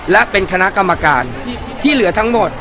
และเป็นคณะกรรมการที่เหลือทั้งหมด